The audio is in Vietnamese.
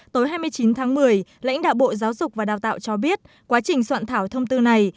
tối hai mươi chín tháng một mươi lãnh đạo bộ giáo dục và đào tạo cho biết quá trình soạn thảo thông tư này